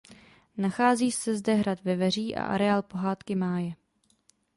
Nachází se zde hrad Veveří a areál Pohádky máje.